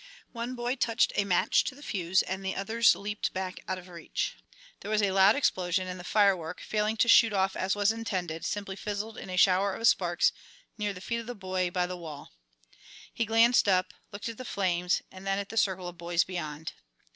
One boy touched a match to the fuse and the others leaped back out of reach. There was a loud explosion, and the firework, failing to shoot off as was intended, simply fizzled in a shower of sparks near the feet of the boy by the wall. He glanced up, looked at the flames and then at the circle of boys beyond.